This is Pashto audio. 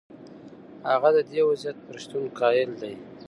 هغه د دې وضعیت پر شتون قایل دی.